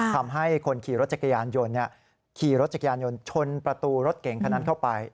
ทำให้คนขี่รถจักรยานยนต์ขี่รถจักรยานยนต์ชนประตูรถเก่งคนนั้นเข้าไป